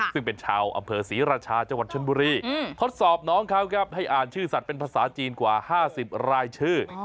ซึ่งเป็นชาวอำเภอศรีราชาจังหวัดชนบุรีทดสอบน้องเขาครับให้อ่านชื่อสัตว์เป็นภาษาจีนกว่า๕๐รายชื่อ